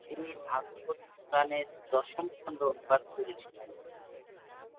তিনি ভাগবত-পুরাণ এর দশম খণ্ড অনুবাদ করেছিলেন।